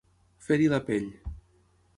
Fer-hi la pell.